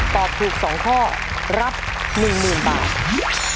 ตอบถูก๒ข้อรับ๑หมื่นบาท